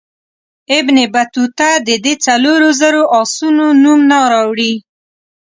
ابن بطوطه د دې څلورو زرو آسونو نوم نه راوړي.